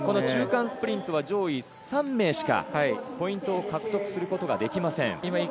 中間スプリントは上位３名しかポイントを獲得することができません。